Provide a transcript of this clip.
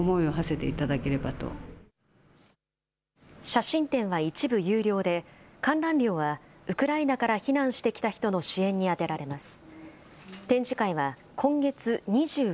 写真展は一部有料で観覧料はウクライナから避難してきた人の支援に充てられます。